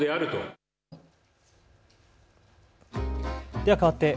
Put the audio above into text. ではかわって＃